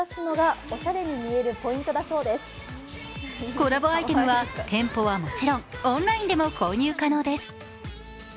コラボアイテムは店舗はもちろんオンラインでも購入可能です。